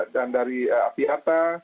dan dari apiata